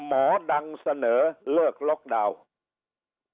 หมอดังเสนอเลิกล็อกดาวน์